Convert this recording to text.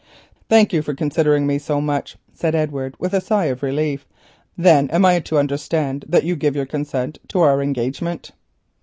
"Thank you for considering me so much," said Edward with a sigh of relief. "Then am I to understand that you give your consent to our engagement?"